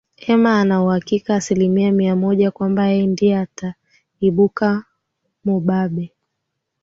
ema ana uhakika aslimia mia moja kwamba yeye ndiye ataibuka mubabe